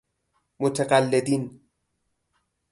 متقلدین